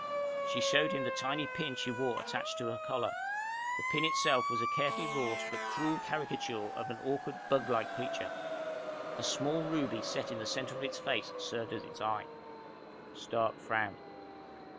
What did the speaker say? She showed him the tiny pin she wore attached to her collar. The pin itself was a carefully wrought but cruel caricature of an awkward buglike creature. A small ruby set in the center of its face served as its eye. Stark frowned.